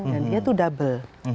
dan dia itu double